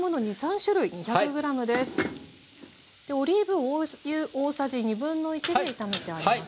オリーブ油大さじ1/2で炒めてあります。